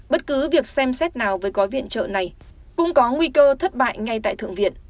bất cứ việc xem xét nào với gói viện trợ này cũng có nguy cơ thất bại ngay tại thượng viện